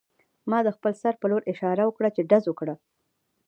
ما د خپل سر په لور اشاره وکړه چې ډز وکړه